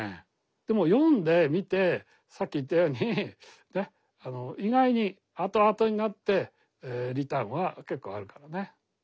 でも読んでみてさっき言ったようにね意外にあとあとになってリターンは結構あるからね。